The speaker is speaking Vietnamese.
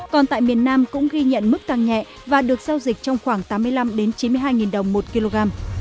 còn tại miền nam cũng ghi nhận mức tăng nhẹ và được giao dịch trong khoảng tám mươi năm chín mươi hai đồng một kg